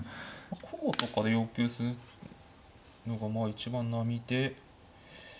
こうとかで要求するのが一番並で。